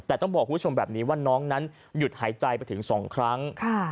แต่ต้องบอกคุณผู้ชมแบบนี้ว่าน้องนั้นหยุดหายใจไปถึง๒ครั้ง